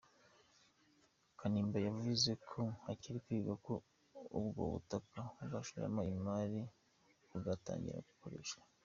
Kanimba yavuze ko hakiri kwiga uko ubwo butaka bwashorwamo imari bugatangira gukoreshwa.